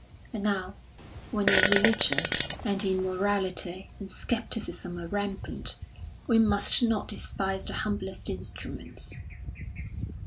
And now, when irreligion, and immorality, and scepticism are rampant, we must not despise the humblest instruments."